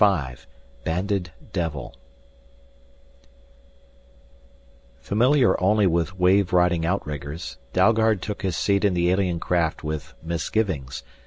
5 BANDED DEVIL Familiar only with the wave riding outriggers, Dalgard took his seat in the alien craft with misgivings.